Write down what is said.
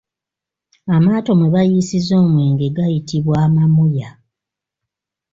Amaato mwe bayiisiza omwenge gayitibwa amamuya.